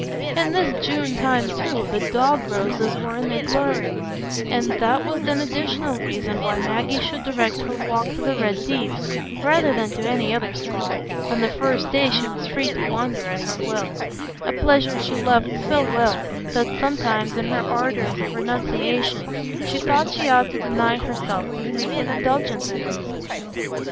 In this June time, too, the dog roses were in their glory, and that was an additional reason why Maggie should direct her walk to the Red Deeps, rather than to any other spot, on the first day she was free to wander at her will,—a pleasure she loved so well, that sometimes, in her ardors of renunciation, she thought she ought to deny herself the frequent indulgence in it.